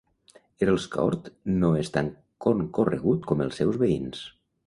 Earls Court no es tan concorregut com els seus veïns.